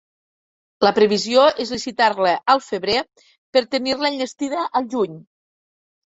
La previsió es licitar-la al febrer per tenir-la enllestida al juny.